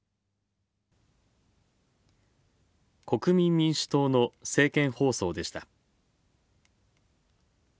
国民民主党の政見放送でした。